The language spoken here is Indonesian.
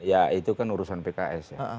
ya itu kan urusan pks ya